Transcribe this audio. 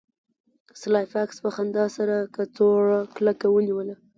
سلای فاکس په خندا سره کڅوړه کلکه ونیوله